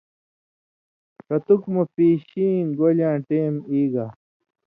ݜتُک مہ پیشیں گولیۡ یاں ٹیم ایگا